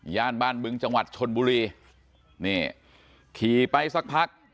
ย่านบ้านบึงจังหวัดชนบุรีนี่ขี่ไปสักพัก